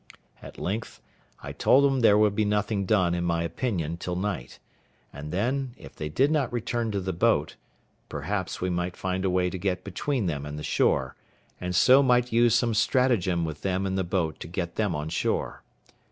At length I told them there would be nothing done, in my opinion, till night; and then, if they did not return to the boat, perhaps we might find a way to get between them and the shore, and so might use some stratagem with them in the boat to get them on shore.